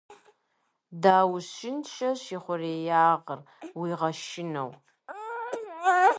Даущыншэщ ихъуреягъыр, уигъэшынэу.